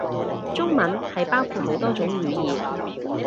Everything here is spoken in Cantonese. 中文係包括好多種語言